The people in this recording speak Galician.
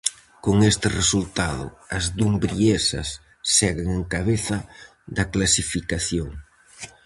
Con este resultado as dumbriesas seguen en cabeza da clasificación.